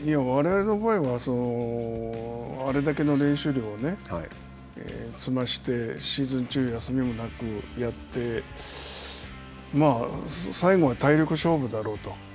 われわれの場合はあれだけの練習量をしましてシーズン中、休みなくやって最後は体力勝負だろうと。